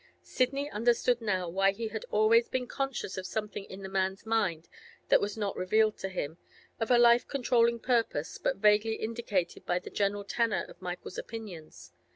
Sidney understood now why he had always been conscious of something in the man's mind that was not revealed to him, of a life controlling purpose but vaguely indicated by the general tenor of Michael's opinions.